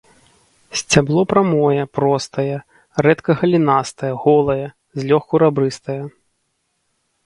Сцябло прамое, простае, рэдка галінастае, голае, злёгку рабрыстае.